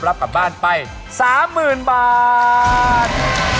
รับกลับบ้านไป๓๐๐๐บาท